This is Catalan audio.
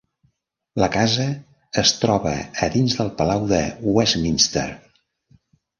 La casa es troba a dins del Palau de Westminster.